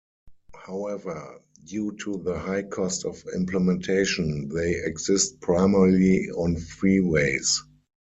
However, due to the high cost of implementation, they exist primarily on freeways.